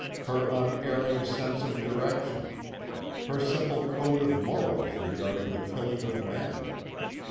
Her unerring sense of direction. Her simple code of morals regarding the killing of men.